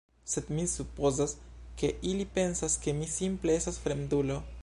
Sed mi supozas, ke ili pensas ke mi simple estas fremdulo.